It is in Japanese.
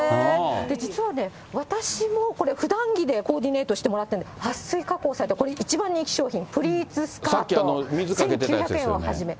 実はね、私もこれ、ふだん着でコーディネートしてもらって、撥水加工された、これ、一番人気商品、プリーツスカート１９００円をはじめ。